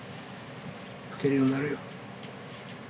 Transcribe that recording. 吹けるようになるよ。